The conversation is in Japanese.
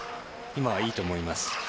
今はいいと思います。